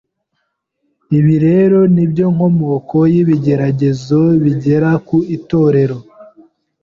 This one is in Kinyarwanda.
Ibi rero ni byo nkomoko y’ibigeragezo bigera ku itorero